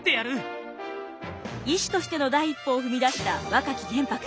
医師としての第一歩を踏み出した若き玄白。